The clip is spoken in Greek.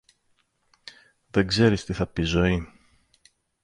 Δεν ξέρεις τι θα πει ζωή